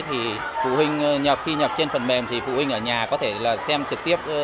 thì phụ huynh khi nhập trên phần mềm thì phụ huynh ở nhà có thể là xem trực tiếp